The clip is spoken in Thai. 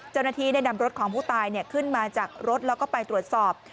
เจ้าหน้าที่ได้นำรถของผู้ตายขึ้นมาจากรถแล้วก็ไปตรวจสอบ